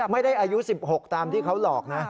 อายุ๑๖ตามที่เขาหลอกนะ